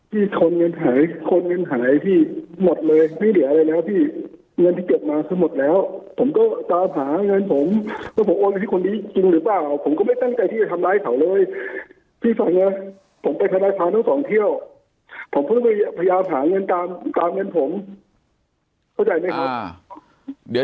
ชนเงินหายคนเงินหายพี่หมดเลยไม่เหลืออะไรแล้วพี่เงินที่เก็บมาคือหมดแล้วผมก็ตามหาเงินผมว่าผมโอนไปให้คนนี้จริงหรือเปล่าผมก็ไม่ตั้งใจที่จะทำร้ายเขาเลยพี่ฟังไงผมเป็นทนายความทั้งสองเที่ยวผมเพิ่งไปพยายามหาเงินตามตามเงินผมเข้าใจไหมครับเดี๋ยว